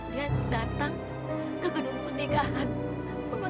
dia datang ke gedung pernikahan